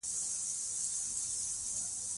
پیغمبر وویل چې د علم زده کړه په هر مسلمان فرض ده.